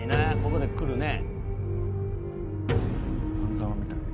ここでくるね。